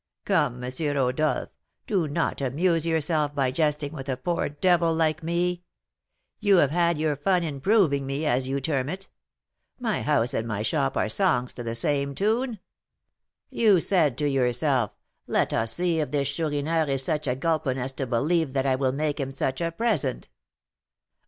"Come, M. Rodolph, do not amuse yourself by jesting with a poor devil like me; you have had your fun in 'proving' me, as you term it. My house and my shop are songs to the same tune. You said to yourself,'Let us see if this Chourineur is such a gulpin as to believe that I will make him such a present.'